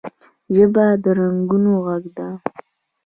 ژبه د رنګونو غږ ده